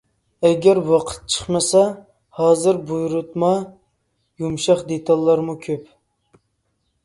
ئەگەر ۋاقىت چىقمىسا. ھازىر بۇيرۇتما يۇمشاق دېتاللارمۇ كۆپ.